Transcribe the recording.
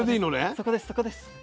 そこですそこです。